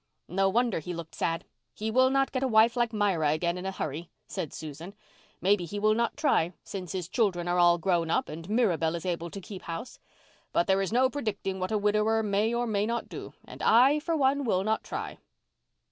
"No wonder he looked sad. He will not get a wife like Myra again in a hurry," said Susan. "Maybe he will not try, since his children are all grown up and Mirabel is able to keep house. But there is no predicting what a widower may or may not do and I, for one, will not try."